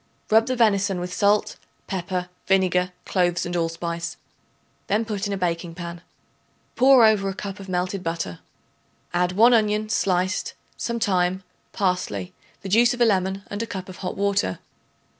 Rub the venison with salt, pepper, vinegar, cloves and allspice; then put in a baking pan. Pour over a cup of melted butter; add 1 onion sliced, some thyme, parsley, the juice of a lemon, and a cup of hot water.